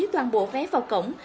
toàn bộ vé vào cổng